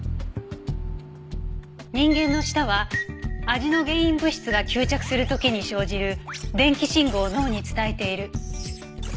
人間の舌は味の原因物質が吸着する時に生じる電気信号を脳に伝えている。